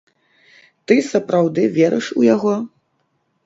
Ты сапраўды верыш у яго?